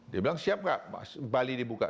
dia bilang siap nggak bali dibuka